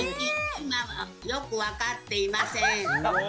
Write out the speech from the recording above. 今もよく分かっていません。